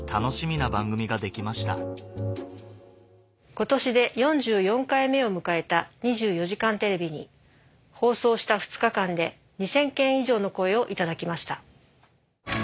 今年で４４回目を迎えた『２４時間テレビ』に放送した２日間で２０００件以上の声を頂きました。